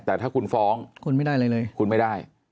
แต่ถ้าคุณฟ้องคุณไม่ได้อะไรเลยคุณไม่ได้